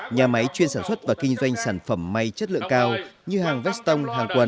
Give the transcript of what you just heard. nhà máy chuyên sản xuất và kinh doanh sản phẩm may chất lượng cao như hàng vestong hàng quần